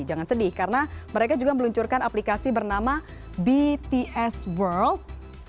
jangan sedih karena mereka juga meluncurkan aplikasi bernama bts world